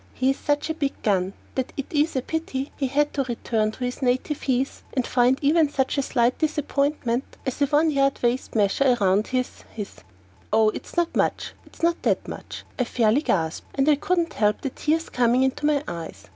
He's such a big gun that it is a pity he had to return to his native heath and find even such a slight disappointment as a one yard waist measure around his his " "Oh, it's not, it's not that much," I fairly gasped and I couldn't help the tears coming into my eyes.